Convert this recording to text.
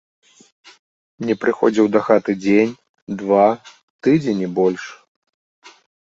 Не прыходзіў дахаты дзень, два, тыдзень і больш.